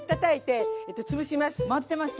待ってました！